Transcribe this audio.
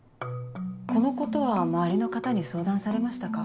このことは周りの方に相談されましたか？